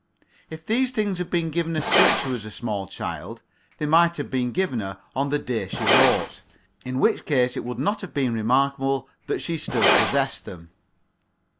If these things were given her since she was a small child, they might have been given her on the day she wrote in which case it would not have been remarkable that she still possessed them.